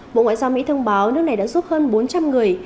bộ ngoại giao mỹ thông báo nước này đã giúp hơn bốn trăm linh người